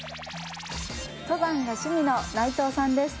登山が趣味の内藤さんです。